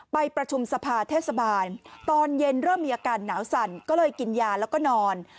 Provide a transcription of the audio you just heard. ไปประชุมสภาเทศบาลตอนเย็นเริ่มมีอาการหนาวสั่นก็เลยกินยาแล้วก็นอน